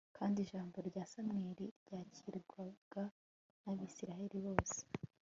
kandi ijambo rya samweli ryakirwaga n'abayisraheli bose